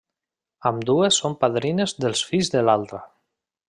Ambdues són padrines dels fills de l'altra.